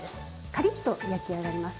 カリッと焼き上がります。